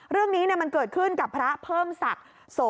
เรื่องนี้มันเกิดขึ้นกับพระเพิ่มศักดิ์